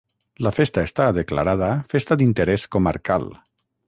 La festa està declarada Festa d'Interès Comarcal.